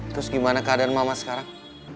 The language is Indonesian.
terus gimana keadaan mama sekarang